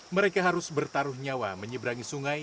mereka harus bertaruh nyawa menyeberangi sungai